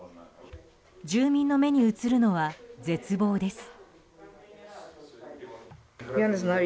住民の目に映るのは絶望です。